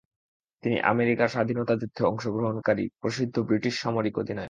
তিনি আমেরিকার স্বাধীনতা যুদ্ধে অংশগ্রহণকার প্রসিদ্ধ ব্রিটিশ সামরিক অধিনায়ক।